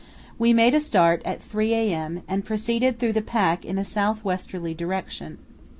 We made a start at 3 a.m. and proceeded through the pack in a south westerly direction.